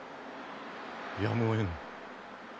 やむをえぬ。